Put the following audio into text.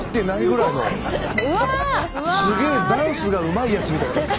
すげえダンスがうまいやつみたいな。